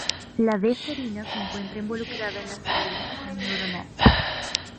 La D-serina se encuentra involucrada en la señalización neuronal.